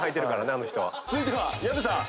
続いては薮さん。